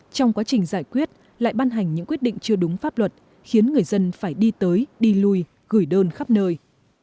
trong quá trình giải quyết lại ban hành những quyết định chưa đúng pháp luật khiến người dân phải đi tới đi lui gửi đơn khắp nơi